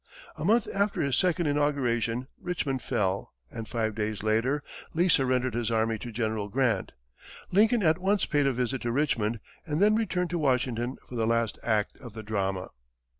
A month after his second inauguration, Richmond fell, and five days later, Lee surrendered his army to General Grant. Lincoln at once paid a visit to Richmond and then returned to Washington for the last act of the drama.